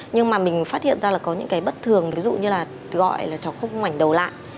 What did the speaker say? nhưng mà mình phát hiện ra là có những cái bất thường ví dụ như là gọi là cháu không mảnh đầu lạ